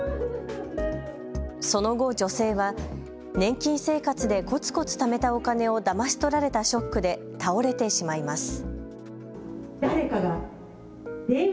その後、女性は年金生活でコツコツためたお金をだまし取られたショックで倒れてしまいます。